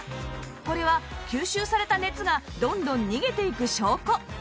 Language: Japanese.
これは吸収された熱がどんどん逃げていく証拠